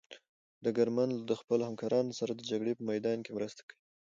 ډګرمن د خپلو همکارانو سره د جګړې په میدان کې مرسته کوي.